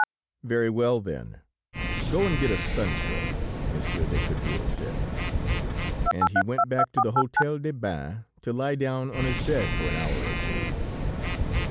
"Very well, then, go and get a sunstroke," Monsieur de Cadour said; and he went back to the Hôtel des Bains, to lie down on his bed for an hour or two.